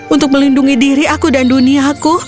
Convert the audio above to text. untuk melindungi diri aku dan duniaku